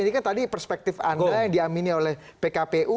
dari perspektif anda yang diaminin oleh pkpu